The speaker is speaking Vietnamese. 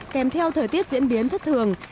kèm theo thời tiết diễn biến thất thường